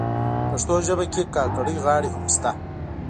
پښتو ژبه کي کاکړۍ غاړي هم سته.